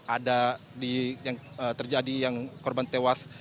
ada yang terjadi yang korban tewas